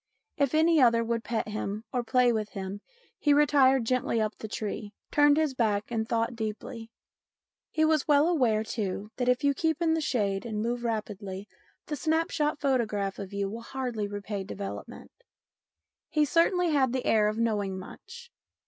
If any other would pet him or play with him, he retired gently up the tree, turned his back and thought deeply. He was well aware, too, that if you keep in the shade and move rapidly, the snap shot photograph of you will hardly repay development. He certainly had the air of knowing much.